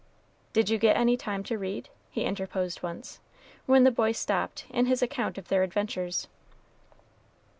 "Did you get any time to read?" he interposed once, when the boy stopped in his account of their adventures.